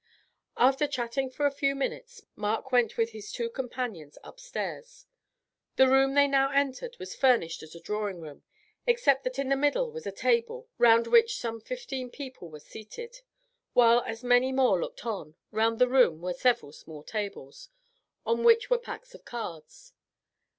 After chatting for a few minutes Mark went with his two companions upstairs. The room they now entered was furnished as a drawing room, except that in the middle was a table, round which some fifteen people were seated, while as many more looked on; round the room were several small tables, on which were packs of cards.